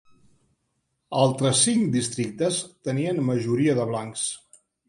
Altres cinc districtes tenien majoria de blancs.